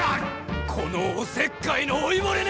このおせっかいの老いぼれ猫！